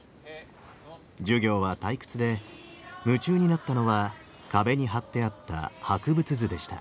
授業は退屈で夢中になったのは壁に貼ってあった博物図でした。